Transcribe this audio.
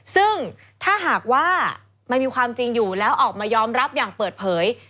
ซึ่งถ้าหากว่ามันมีความจริงอยู่แล้วออกมายอมรับอย่างเปิดเผย